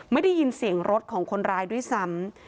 ไม่ได้ยินเสียงรถของคนร้ายด้วยซ้ำ